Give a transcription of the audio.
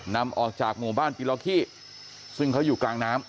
นำออกจากหมู่บ้านปิลลอคีซึ่งเขาอยู่กลางน้ำ